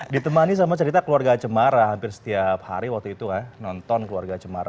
ditemani sama cerita keluarga cumara hampir setiap hari waktu itu nonton keluarga cumara